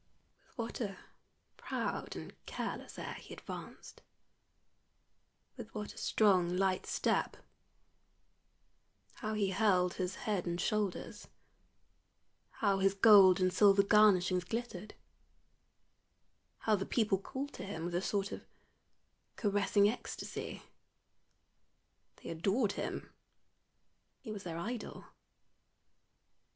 With what a proud and careless air he advanced; with what a strong, light step; how he held his head and shoulders; how his gold and silver garnishings glittered; how the people called to him with a sort of caressing ecstasy! They adored him; he was their idol.